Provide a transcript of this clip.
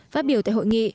phát biểu tại hội nghị